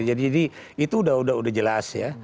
jadi itu udah jelas ya